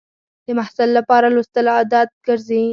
د محصل لپاره لوستل عادت ګرځي.